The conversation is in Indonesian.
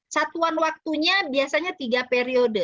satuan waktunya biasanya tiga periode